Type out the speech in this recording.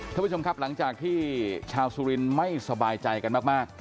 ท่านผู้ชมครับหลังจากที่ชาวสุรินทร์ไม่สบายใจกันมาก